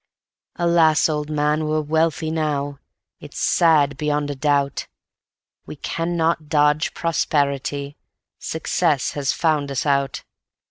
III Alas! old man, we're wealthy now, it's sad beyond a doubt; We cannot dodge prosperity, success has found us out.